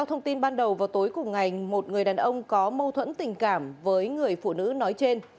theo thông tin ban đầu vào tối cùng ngày một người đàn ông có mâu thuẫn tình cảm với người phụ nữ nói trên